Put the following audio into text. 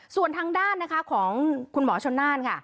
ส่วนทางด้านนะคะของคุณหมอชนน่านค่ะ